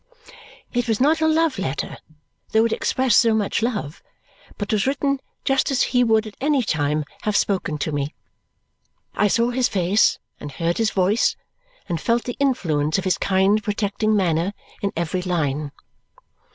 It was not a love letter, though it expressed so much love, but was written just as he would at any time have spoken to me. I saw his face, and heard his voice, and felt the influence of his kind protecting manner in every line.